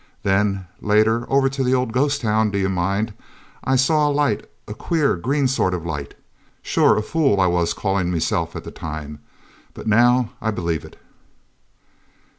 Then later over to the old ghost town, d'ye mind! I saw a light, a queer, green sort of light. Sure, a fool I was callin' meself at the time, but now I believe it."